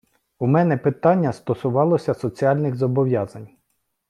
У мене питання стосувалося соціальних зобов'язань.